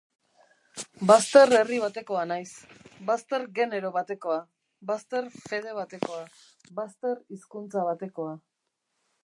Bazter herri batekoa naiz, bazter genero batekoa, bazter fede batekoa, bazter hizkuntza batekoa.